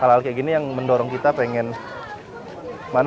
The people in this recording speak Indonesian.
ailang itu ya